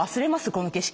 この景色。